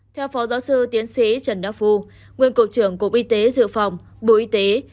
theo phó giáo sư tiến sĩ trần đắc phu nguyên cục trưởng cục y tế dự phòng bộ y tế